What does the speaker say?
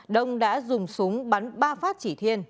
đông đã dùng súng bắn ba phát chỉ thiên